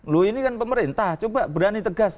loh ini kan pemerintah coba berani tegas